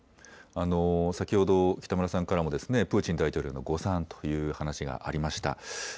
先ほど北村さんからもプーチン大統領の誤算という話がありました。